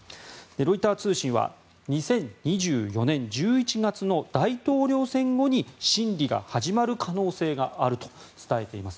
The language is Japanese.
ロイター通信は２０２４年１１月の大統領選後に審理が始まる可能性があると伝えています。